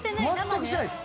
全くしてないです。